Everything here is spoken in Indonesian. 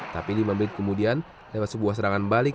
tapi lima menit kemudian lewat sebuah serangan yang menarik